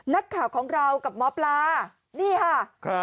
นักข่าวของเรากับหมอปลานี่ค่ะ